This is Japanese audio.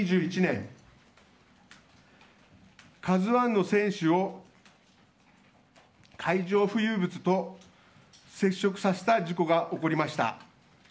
２０２１年「ＫＡＺＵ１」の船首を海上浮遊物と接触させた事故がありました。